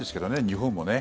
日本もね。